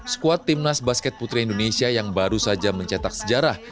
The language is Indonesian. skuad timnas basket putri indonesia yang baru saja mencetak sejarah